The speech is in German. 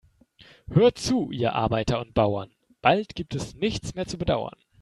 Hört zu, ihr Arbeiter und Bauern, bald gibt es nichts mehr zu bedauern.